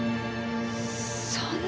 そんな。